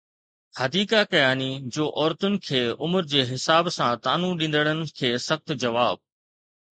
حديقہ ڪياني جو عورتن کي عمر جي حساب سان طعنو ڏيندڙن کي سخت جواب